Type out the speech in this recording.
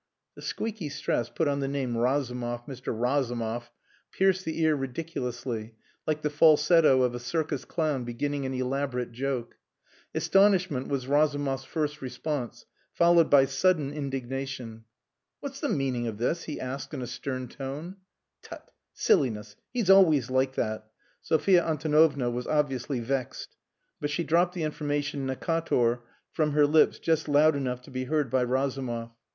The squeaky stress put on the name "Razumov Mr. Razumov" pierced the ear ridiculously, like the falsetto of a circus clown beginning an elaborate joke. Astonishment was Razumov's first response, followed by sudden indignation. "What's the meaning of this?" he asked in a stern tone. "Tut! Silliness. He's always like that." Sophia Antonovna was obviously vexed. But she dropped the information, "Necator," from her lips just loud enough to be heard by Razumov.